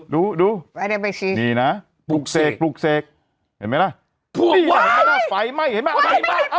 ดูดูนี่นะปลูกเสกปลูกเสกเห็นไหมล่ะไฟไหม้เห็นไหมไอล่ะ